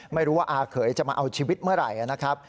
ไม่รู้ว่าอาเขยจะมาเอาชีวิตเมื่อไหร่นะครับ